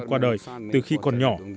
qua đời từ khi còn nhỏ